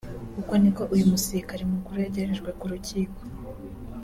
uko ni ko uyu musirikare mukuru yagejejwe ku rukiko